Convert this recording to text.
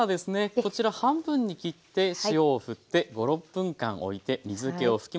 こちら半分に切って塩をふって５６分間おいて水けを拭きます。